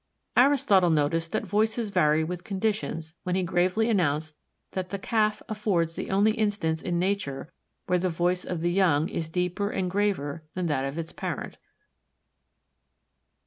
Aristotle noticed that voices vary with conditions when he gravely announced that the Calf affords the only instance in nature where the voice of the young is deeper and graver than that of its parent.